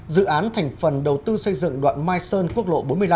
dự án thành phần đầu tư xây dựng đoạn mai sơn quốc lộ bốn mươi năm